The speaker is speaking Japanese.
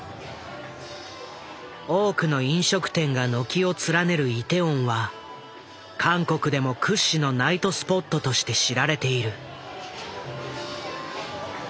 多くの飲食店が軒を連ねるイテウォンは韓国でも屈指のナイトスポットとして知られている。